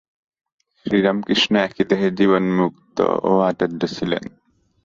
শ্রীরামকৃষ্ণ একই দেহে জীবন্মুক্ত ও আচার্য ছিলেন।